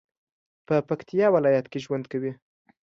په پکتیا ولایت کې ژوند کوي